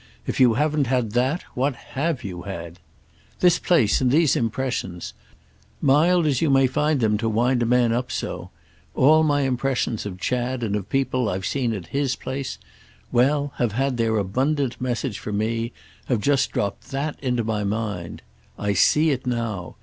If you haven't had that what have you had? This place and these impressions—mild as you may find them to wind a man up so; all my impressions of Chad and of people I've seen at his place—well, have had their abundant message for me, have just dropped that into my mind. I see it now.